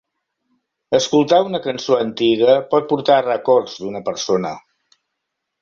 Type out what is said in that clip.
Escoltar una cançó antiga pot portar records d'una persona.